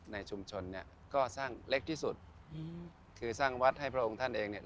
ในชุมชนเนี่ยก็สร้างเล็กที่สุดอืมคือสร้างวัดให้พระองค์ท่านเองเนี่ย